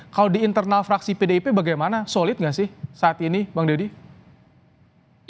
kalau di internal fraksi pdip bagaimana solid nggak sih saat ini bang deddy